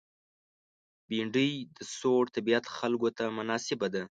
بېنډۍ د سوړ طبیعت خلکو ته مناسبه ده